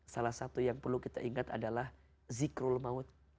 salah satu yang perlu kita ingat adalah zikrul maut